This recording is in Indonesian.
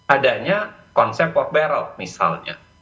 adanya konsep forbearal misalnya